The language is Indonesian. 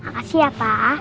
makasih ya pak